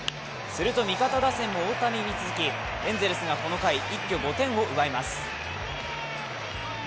すると味方打線の大谷に続きエンゼルスがこの回、一挙５点を奪います。